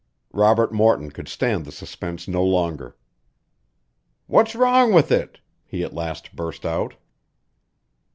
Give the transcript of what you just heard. Robert Morton could stand the suspense no longer. "What's wrong with it?" he at last burst out.